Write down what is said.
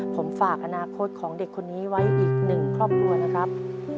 ผมฝากอนาคตของเด็กคนนี้ไว้อีกหนึ่งครอบครัวนะครับ